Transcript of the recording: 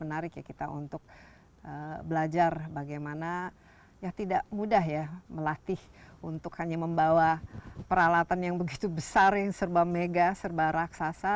menarik ya kita untuk belajar bagaimana ya tidak mudah ya melatih untuk hanya membawa peralatan yang begitu besar yang serba mega serba raksasa